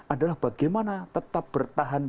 adalah bagaimana tetap bertahan